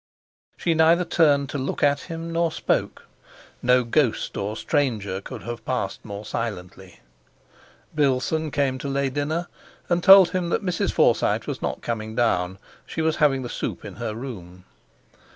She neither turned to look at him nor spoke. No ghost or stranger could have passed more silently. Bilson came to lay dinner, and told him that Mrs. Forsyte was not coming down; she was having the soup in her room.